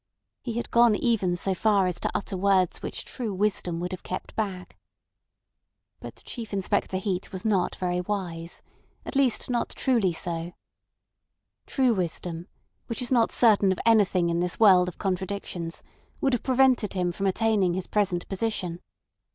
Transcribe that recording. He had gone even so far as to utter words which true wisdom would have kept back. But Chief Inspector Heat was not very wise—at least not truly so. True wisdom, which is not certain of anything in this world of contradictions, would have prevented him from attaining his present position.